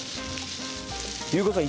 憂子さん